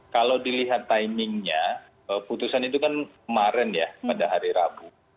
kalau dilihat timingnya putusan itu kan kemarin ya pada hari rabu